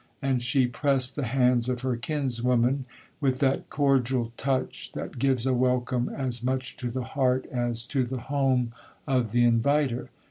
And she pressed the hands of her kinswoman, with that cordial touch that gives a welcome as much to the heart as to the home of the inviter.